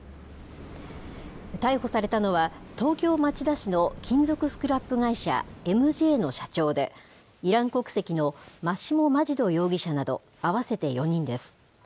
逮捕されたのは、東京・町田市の金属スクラップ会社、ＭＪの社長で、イラン国籍の眞下マジド容疑者など、合わせて４人です。